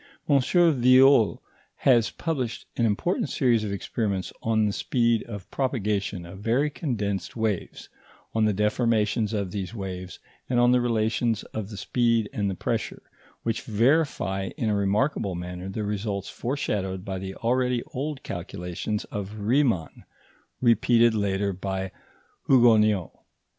M. Violle has published an important series of experiments on the speed of propagation of very condensed waves, on the deformations of these waves, and on the relations of the speed and the pressure, which verify in a remarkable manner the results foreshadowed by the already old calculations of Riemann, repeated later by Hugoniot.